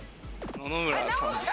野々村さんです。